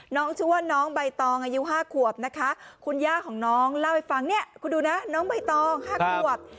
น้องชื่อว่าน้องใบตองอายุ๕ขวบนะคะคุณย่าของน้องเล่าให้ฟังเนี่ยคุณดูนะน้องใบตอง๕ขวบ